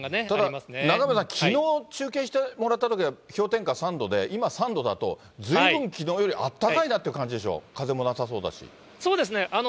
ただ、中山さん、きのう中継してもらったときは、氷点下３度で、今３度だと、ずいぶんきのうよりあったかいなって感じでしょ、風もなさそうだそうですね。